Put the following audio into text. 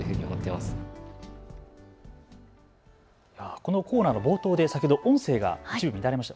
このコーナーの冒頭で先ほど音声が一部、乱れました。